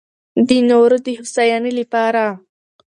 د نورو دې هوساينۍ لپاره